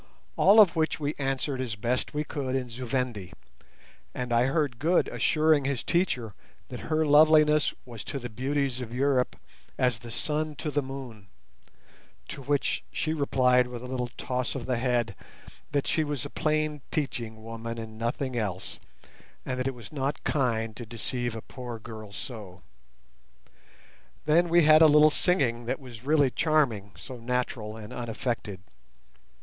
all of which we answered as best as we could in Zu Vendi, and I heard Good assuring his teacher that her loveliness was to the beauties of Europe as the sun to the moon, to which she replied with a little toss of the head, that she was a plain teaching woman and nothing else, and that it was not kind "to deceive a poor girl so". Then we had a little singing that was really charming, so natural and unaffected.